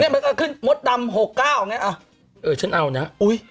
เนี่ยมันก็ขึ้นมดดำหกเก้าอย่างเงี้ยเออเออฉันเอานะอุ้ย